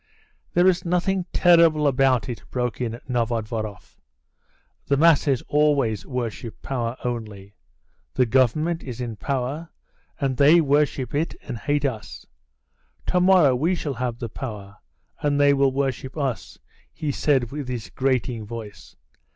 "There is nothing terrible about it," broke in Novodvoroff. "The masses always worship power only. The government is in power, and they worship it and hate us. To morrow we shall have the power, and they will worship us," he said with his grating voice.